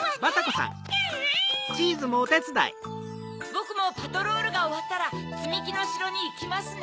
ボクもパトロルがおわったらつみきのしろにいきますね。